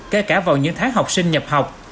kể cả vào những tháng học sinh nhập học